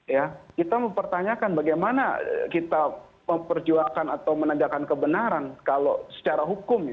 ya kita mempertanyakan bagaimana kita memperjuangkan atau menegakkan kebenaran kalau secara hukum